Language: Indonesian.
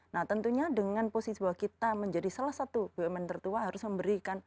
nah tentunya dengan posisi bahwa kita menjadi salah satu bumn tertua harus memberikan